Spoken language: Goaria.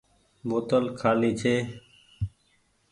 بوتل کآلي ڇي۔